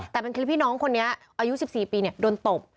แต่เป็นคลิปที่น้องคนนี้อายุ๑๔ปีโดนตบ